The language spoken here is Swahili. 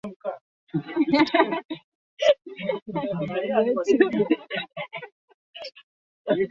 benki hiyo ilianzishwa baada ya vita kuu ya kwanza ya dunia